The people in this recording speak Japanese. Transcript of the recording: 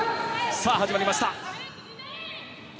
さあ、始まりました。